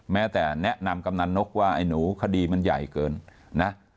แม้แต่แนะนำกำนันนกว่าไอ้หนูคดีมันใหญ่เกินนะ